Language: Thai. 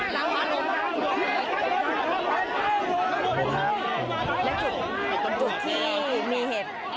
น้ำผัดลงน้ำผัดน้ำผัดน้ำผัด